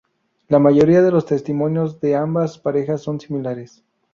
La mayoría de los testimonios de ambas parejas son similares.